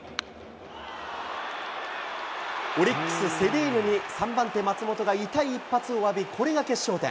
オリックス、セデーニョに３番手、松本が痛い一発を浴び、これが決勝点。